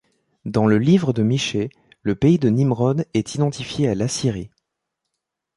Dans le livre de Michée, le pays de Nimrod est identifié à l'Assyrie.